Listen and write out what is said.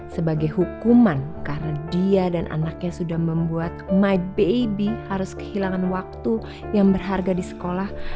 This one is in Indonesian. sebagai hukuman karena dia dan anaknya sudah membuat mike baby harus kehilangan waktu yang berharga di sekolah